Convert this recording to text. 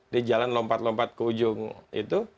di jalan lompat lompat ke ujung itu